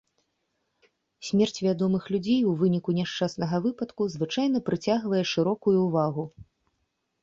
Смерць вядомых людзей у выніку няшчаснага выпадку звычайна прыцягвае шырокую ўвагу.